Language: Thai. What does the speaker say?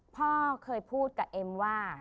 พ่อเคยพูดกับเอ็มว่า